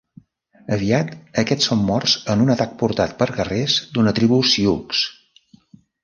Aviat, aquests són morts en un atac portat per guerrers d'una tribu sioux.